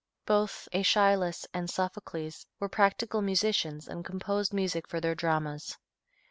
Both Æschylus and Sophocles were practical musicians and composed music for their dramas.